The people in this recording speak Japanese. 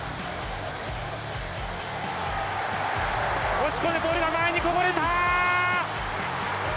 押し込んでボールが前にこぼれた！